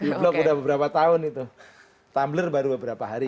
di blok udah beberapa tahun itu tumbler baru beberapa hari